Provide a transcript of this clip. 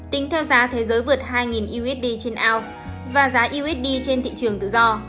tính theo giá thế giới vượt hai usd trên ounce và giá usd trên thị trường tự do